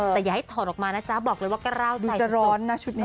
แต่อย่าให้ถอดออกมานะจ๊ะบอกเลยว่ากระร่าวใจร้อนนะชุดนี้